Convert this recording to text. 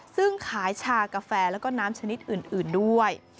ซึ่งขายชากาแฟแล้วก็น้ำชนิดอื่นด้วย